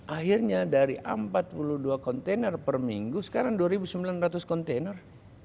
akhirnya dari empat puluh dua kontainer per minggu sekarang dua sembilan ratus kontainer